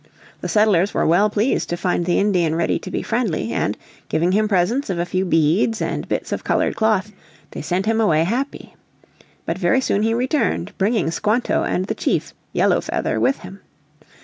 The settlers were well pleased to find the Indian ready to be friendly and, giving him presents of a few beads and bits of coloured cloth, they sent him away happy. But very soon he returned, bringing Squanto and the chief, Yellow Feather, with him.